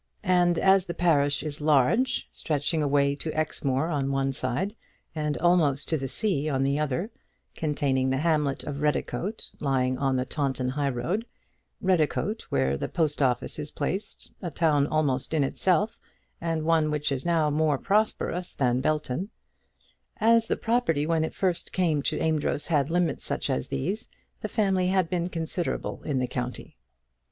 And as the parish is large, stretching away to Exmoor on one side, and almost to the sea on the other, containing the hamlet of Redicote, lying on the Taunton high road, Redicote, where the post office is placed, a town almost in itself, and one which is now much more prosperous than Belton, as the property when it came to the first Amedroz had limits such as these, the family had been considerable in the county.